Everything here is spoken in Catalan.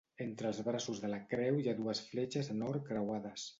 Entre els braços de la creu hi ha dues fletxes en or creuades.